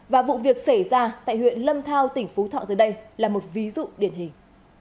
và vụ việc xảy ra tại huyện lâm thao tỉnh phú thọ giờ đây là một ví dụ điển hình